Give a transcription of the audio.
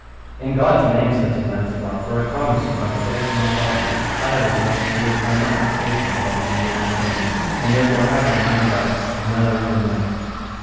In God's name, said Sir Launcelot, for I promise you, by the faith of my body, I had as much to do as I might to save myself from you unshamed, and therefore have ye no doubt of none earthly knight.